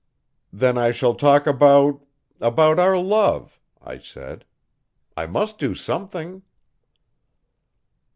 'Then I shall talk about about our love,' I said, 'I must do something.'